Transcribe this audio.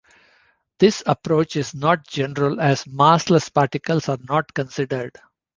This approach is not general as massless particles are not considered.